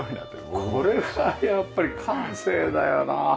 これはやっぱり感性だよな。